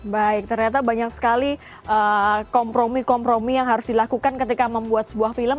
baik ternyata banyak sekali kompromi kompromi yang harus dilakukan ketika membuat sebuah film